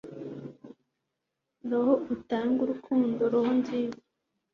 roho utanga urukundo, roho nziza